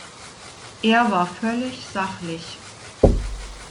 Er war völlig sachlich.